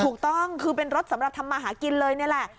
ถูกต้องคือเป็นรถสำหรับทำมาหากินเลยนี่แหละ